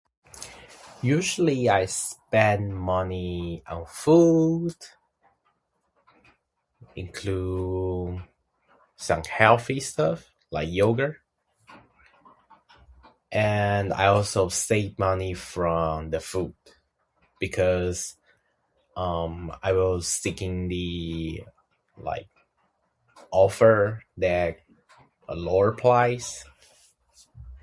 Usually I spend money on food, include some healthy stuff like yoghurt. And I also save money from the food. Because, um, I will seeking the, like, offer that lower price.